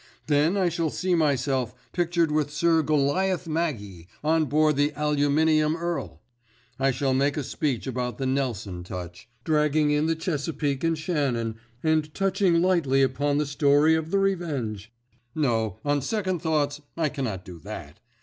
Then I shall see myself pictured with Sir Goliath Maggie on board The Aluminium Earl. I shall make a speech about the Nelson touch, dragging in the Chesapeake and Shannon, and touching lightly upon the story of the Revenge. No, on second thoughts I cannot do that.